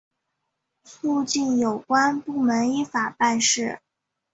促进有关部门依法办事